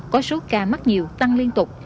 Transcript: có số ca mắc nhiều tăng liên tục